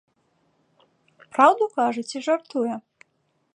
Праўду кажа ці жартуе?